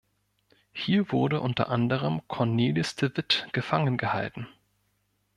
Hier wurde unter anderem Cornelis de Witt gefangen gehalten.